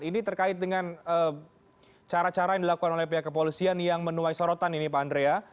ini terkait dengan cara cara yang dilakukan oleh pihak kepolisian yang menuai sorotan ini pak andrea